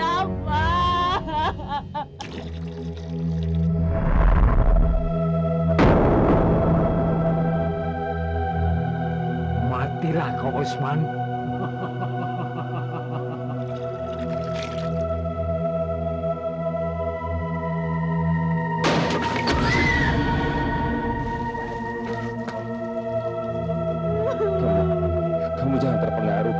assalamu'alaikum kang asep kang asep